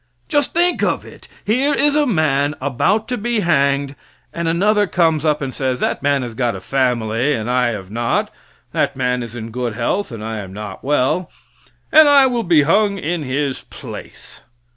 Just think of it. Here is a man about to be hanged, and another comes up and says: "That man has got a family, and I have not; that man is in good health and I am not well, and I will be hung in his place."